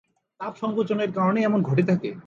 তাপ সংকোচনের কারণে এমন ঘটে থাকে।